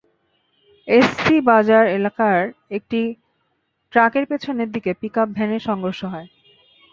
SC বাজার এলাকায় একটি ট্রাকের পেছনের দিকে পিকআপ ভ্যানের সংঘর্ষ হয়।